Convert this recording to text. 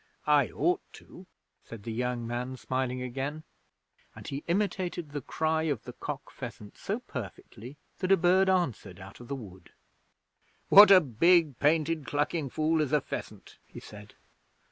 'I ought to,' said the young man, smiling again, and he imitated the cry of the cock pheasant so perfectly that a bird answered out of the wood. 'What a big painted clucking fool is a pheasant!' he said.